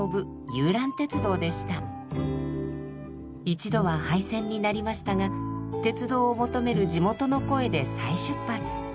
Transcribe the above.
一度は廃線になりましたが鉄道を求める地元の声で再出発。